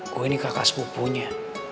gue ini kakak sepupunya